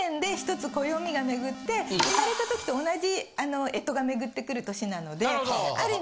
生まれた時と同じ干支が巡ってくる年なのである意味。